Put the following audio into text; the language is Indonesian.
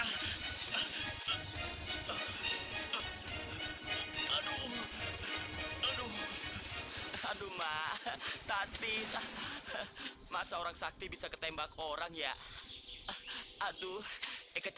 kalau gitu bisa dibantu obatin ya pak